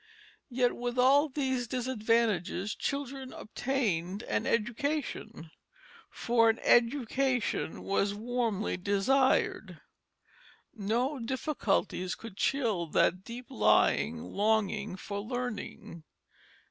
Yet with all these disadvantages children obtained an education, for an education was warmly desired; no difficulties could chill that deep lying longing for learning.